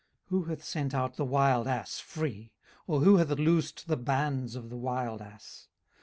18:039:005 Who hath sent out the wild ass free? or who hath loosed the bands of the wild ass?